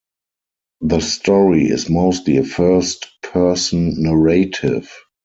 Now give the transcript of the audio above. The story is mostly a first-person narrative.